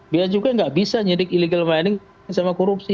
biasanya juga nggak bisa nyedik illegal mining sama korupsi